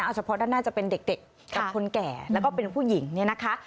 เอาเฉพาะด้านหน้าจะเป็นเด็กกับคนแก่แล้วก็เป็นผู้หญิงเนี่ยนะคะ